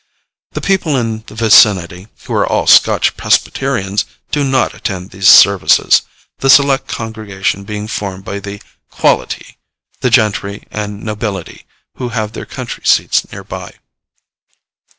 The people in the vicinity, who are all Scotch Presbyterians, do not attend these services, the select congregation being formed by 'the quality' the gentry and nobility, who have their country seats near by.